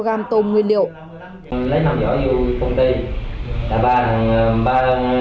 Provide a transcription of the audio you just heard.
bình đã lấy năm vỏ vô công ty ba người đồng ý hết xúc mỗi bơm một miếng